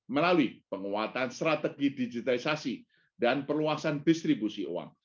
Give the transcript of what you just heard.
melalui penguatan strategi digitalisasi dan perluasan distribusi uang